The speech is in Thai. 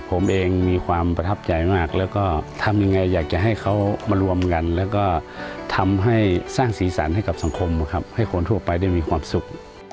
ผมเองมีความประทับใจมากแล้วก็ทำยังไงอยากจะให้เขามารวมกันแล้วก็ทำให้สร้างสีสันให้กับสังคมครับให้คนทั่วไปได้มีความสุข